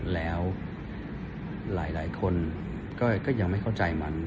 แล้วหลายคนก็ยังไม่เข้าใจมัน